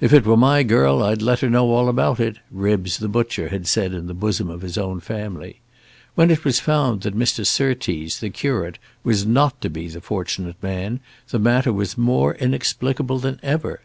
"If it were my girl I'd let her know all about it," Ribbs the butcher had said in the bosom of his own family. When it was found that Mr. Surtees the curate was not to be the fortunate man, the matter was more inexplicable than ever.